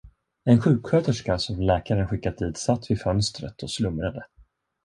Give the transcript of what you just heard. En sjuksköterska, som läkaren skickat dit, satt vid fönstret och slumrade.